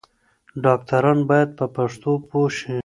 ډاکټران بايد په پښتو پوه شي.